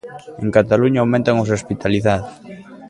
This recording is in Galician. En Cataluña aumentan os hospitalizados.